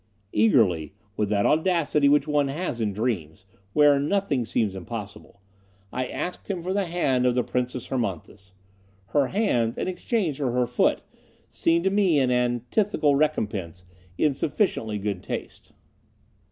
Eagerly, with that audacity which one has in dreams, where nothing seems impossible, I asked him for the hand of the Princess Hermonthis. Her hand in exchange for her foot, seemed to me an antithetical recompense, in sufficiently good taste.